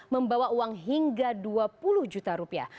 membawa uang hingga dua puluh juta rupiah